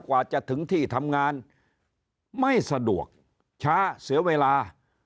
กว่าจะถึงที่ทำงานไม่สะดวกช้าเสียเวลา